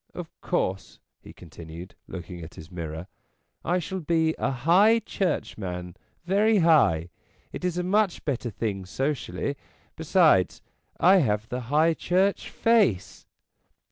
Of course," he continued, looking at his mirror, " I shall be a high churchman, very high. It is a much better thing socially; besides, I have the High Church face."